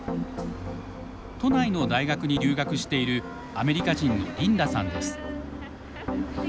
都内の大学に留学しているアメリカ人のリンダさんです。